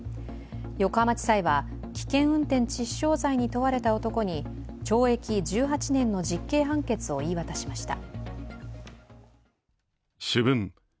横浜地裁は、危険運転致死傷罪に問われた男に懲役１８年の実刑判決を言い渡しました。